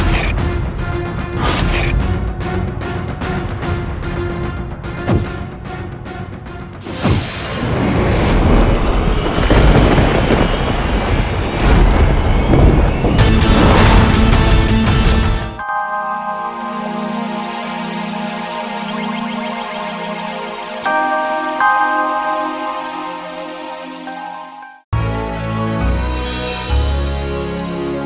sampai jumpa lagi